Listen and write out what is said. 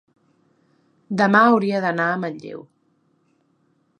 demà hauria d'anar a Manlleu.